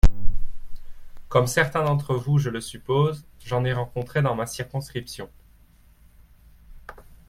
Comme certains d’entre vous je le suppose, j’en ai rencontré dans ma circonscription.